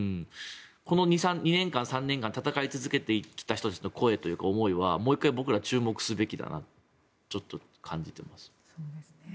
この２年間、３年間戦い続けてきた人たちの声というか思いはもう一回僕らは注目すべきだなと感じています。